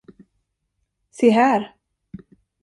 Se här!